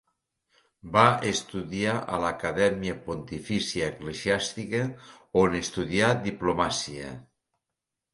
Va estudiar a l'Acadèmia Pontifícia Eclesiàstica, on estudià diplomàcia.